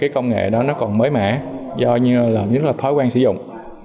công nghệ đó còn mới mẻ do những thói quen sử dụng